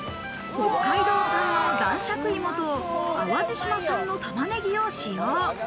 北海道産の男爵いもと淡路島産の玉ねぎを使用。